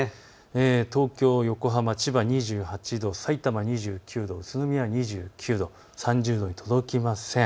東京、横浜、千葉２８度、さいたま２９度、宇都宮２９度、３０度に届きません。